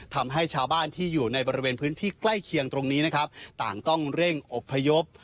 ทำให้ชาวบ้านที่อยู่ในบริเวณพื้นที่ใกล้เคียงตรงนี้นะครับต่างต้องเร่งอบพยพ